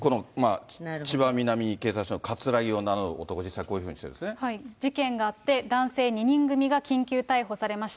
千葉南警察署のカツラギを名乗る男、実際、こういうふうに言って事件があって、男性２人組が緊急逮捕されました。